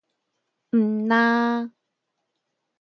毋但